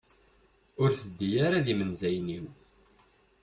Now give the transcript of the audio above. Ur teddi ara d imenzayen-iw.